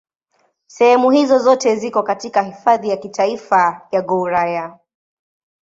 Sehemu hizo zote ziko katika Hifadhi ya Kitaifa ya Gouraya.